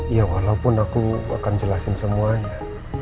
ya walaupun aku akan jelasin semuanya